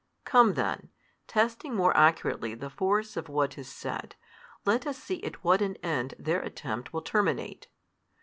Come then, testing more accurately the force of what is said, let us see at what an end their attempt will terminate.